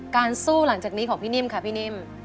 การสู้หลังจากนี้ของพี่นิ่มค่ะพี่นิ่ม